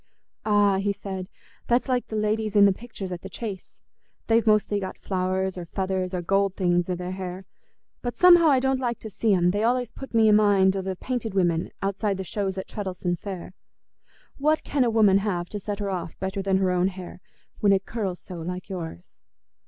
"Ah," he said, "that's like the ladies in the pictures at the Chase; they've mostly got flowers or feathers or gold things i' their hair, but somehow I don't like to see 'em; they allays put me i' mind o' the painted women outside the shows at Treddles'on Fair. What can a woman have to set her off better than her own hair, when it curls so, like yours?